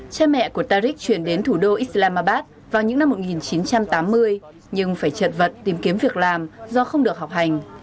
cha mẹ của tariq chuyển đến thủ đô islamabad vào những năm một nghìn chín trăm tám mươi nhưng phải trật vật tìm kiếm việc làm do không được học hành